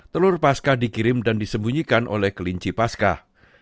telur paskah dikirim dan disembunyikan oleh kelinci paskah